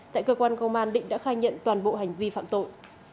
tại cơ quan công an định đã khai nhận toàn bộ hành vi phạm tội